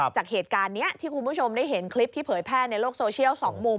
จากเหตุการณ์นี้ที่คุณผู้ชมได้เห็นคลิปที่เผยแพร่ในโลกโซเชียล๒มุม